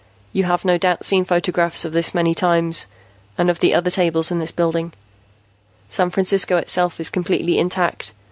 "You have no doubt seen photographs of this many times, and of the other tables in this building. "San Francisco itself is completely intact.